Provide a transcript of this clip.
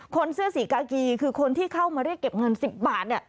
เสื้อสีกากีคือคนที่เข้ามาเรียกเก็บเงิน๑๐บาทเนี่ย